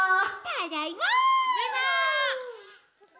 ただいま！